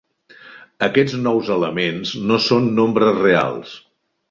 Aquests nous elements no són nombres reals.